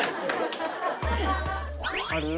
ある？